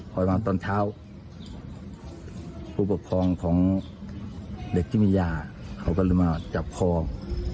พอมาตอนเช้าผู้ปกครองของเด็กที่มียาเขาก็เลยมาจับคอง